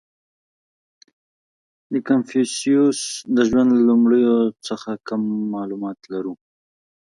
• د کنفوسیوس د ژوند له لومړیو څخه کم معلومات لرو.